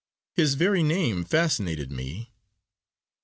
His very name fascinated me.